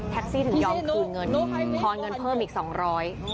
แท็กซี่ถึงยอมคืนเงินพอร์สเงินเพิ่มอีก๒๐๐